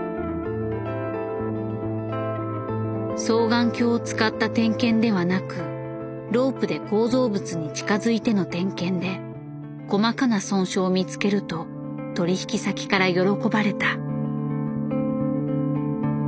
双眼鏡を使った点検ではなくロープで構造物に近づいての点検で細かな損傷を見つけると取引先から喜ばれた。